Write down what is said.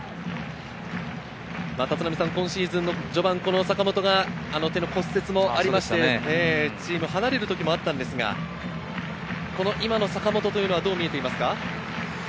今シーズンの序盤、坂本が手の骨折もありまして、チームを離れる時もあったんですが、今の坂本というのはどう見えていますか？